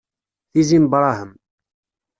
Tizi n Brahem.